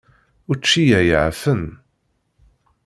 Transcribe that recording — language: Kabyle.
Učči-ya yeεfen.